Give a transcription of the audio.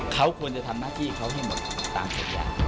เขาควรจะทำหน้าที่เขาให้หมดตามสัญญา